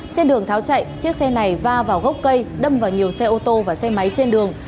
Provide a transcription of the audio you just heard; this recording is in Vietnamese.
trên đường tháo chạy chiếc xe này va vào gốc cây đâm vào nhiều xe ô tô và xe máy trên đường